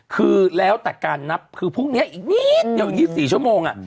คือแล้วแต่การนับคือพรุ่งนี้อีกนิดเดียว๒๔ชั่วโมง